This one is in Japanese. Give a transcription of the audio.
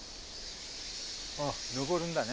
あっ登るんだね。